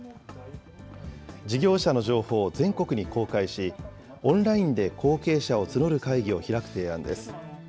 事業者の情報を全国に公開し、オンラインで後継者を募る会議を開く提案です。